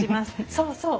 そうそう。